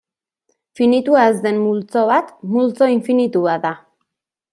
Finitua ez den multzo bat multzo infinitu bat da.